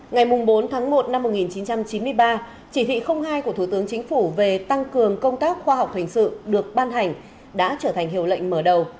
ngày bốn tháng một năm một nghìn chín trăm chín mươi ba chỉ thị hai của thủ tướng chính phủ về tăng cường công tác khoa học hình sự được ban hành đã trở thành hiệu lệnh mở đầu